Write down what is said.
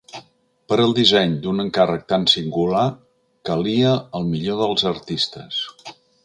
Per al disseny d'un encàrrec tan singular calia el millor dels artistes: